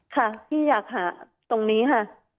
ค่ะพี่อยากหาตรงนี้ค่ะ